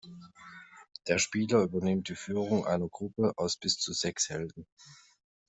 Der Spieler übernimmt die Führung einer Gruppe aus bis zu sechs Helden.